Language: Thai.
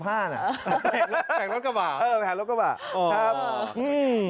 แผงรถกระบาดเออแผงรถกระบาดครับอืม